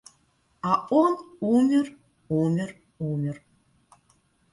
А он умер, умер, умер...